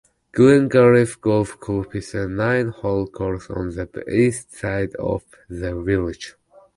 Glengarriff Golf Club is a nine-hole course on the east side of the village.